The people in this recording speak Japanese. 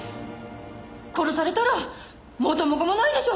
殺されたら元も子もないでしょ？